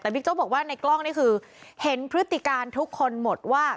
แต่บิ๊กโจ๊กบอกว่าในกล้องนี่คือเห็นพฤติการทุกคนหมดว่า